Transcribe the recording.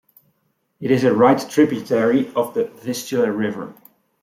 It is a right tributary of the Vistula River.